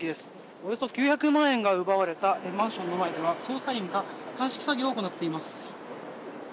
およそ９００万円が奪われたマンションの前では捜査員が鑑識作業を行っています。